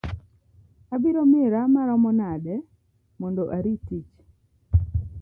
Abiro mira maromo nade mondo arit tich?